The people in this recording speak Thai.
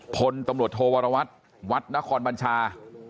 พลตำรวจโทวรวัตรวัดนครบัญชา